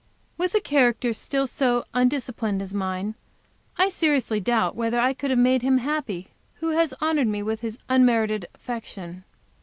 With a character still so undisciplined as mine, I seriously doubt whether I could have made him who has honored me with his unmerited affection.